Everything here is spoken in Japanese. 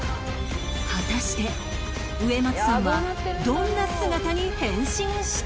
果たして植松さんはどんな姿に変身したのか？